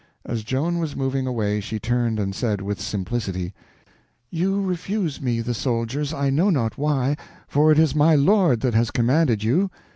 As Joan was moving away she turned and said, with simplicity: "You refuse me the soldiers, I know not why, for it is my Lord that has commanded you.